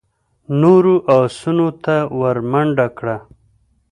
نورو آسونو ته ور منډه کړه.